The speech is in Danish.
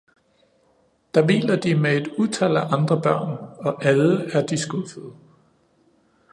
Der hviler de med et utal af andre børn, og alle er de skuffede.